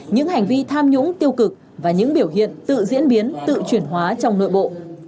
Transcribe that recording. những hành vi tham nhũng tiêu cực và những biểu hiện tự diễn biến tự chuyển hóa trong nội bộ